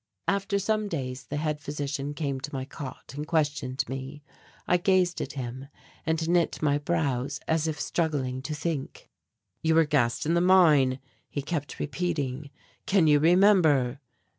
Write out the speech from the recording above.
After some days the head physician came to my cot and questioned me. I gazed at him and knit my brows as if struggling to think. "You were gassed in the mine," he kept repeating, "can you remember?"